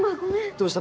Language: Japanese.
どうした？